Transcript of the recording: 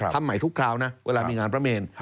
ทำใหม่ทุกคราวนะเวลามีงานพระเมน